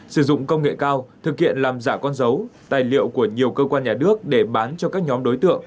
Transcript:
sử dụng công nghệ cao thực hiện làm giả con dấu tài liệu của nhiều cơ quan nhà nước để bán cho các nhóm đối tượng